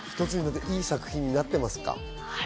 いい作品になっていますか？